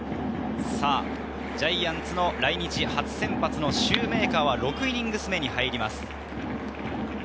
ジャイアンツの来日初先発のシューメーカーは６イニングス目に入ります。